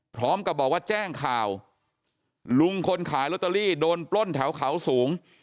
พร้อมกับบอกว่าแจ้งข่าวลุงคนขายลอตเตอรี่โดนปล้นแถวเขาสูง